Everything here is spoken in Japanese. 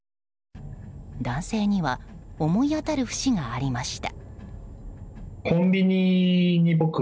男性には思い当たる節がありました。